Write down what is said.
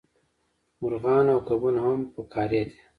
مارغان او کبونه هم فقاریه دي